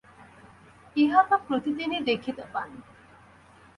ইহা তো প্রতিদিনই দেখিতে পান।